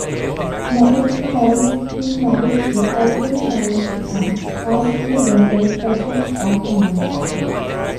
Natan Sharansky is married to Avital Sharansky and has two daughters, Rachel and Hannah.